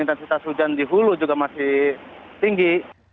intensitas hujan di hulu juga masih tinggi